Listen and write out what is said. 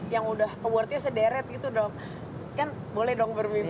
yang udah awardnya sederet gitu dong kan boleh dong berpikir